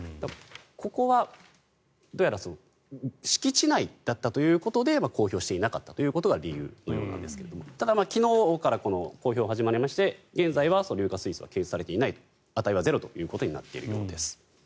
ここはどうやら敷地内だったということで公表していなかったことが理由のようなんですがただ、昨日から公表が始まりまして現在は硫化水素は検出されていない値はゼロということになっているようです。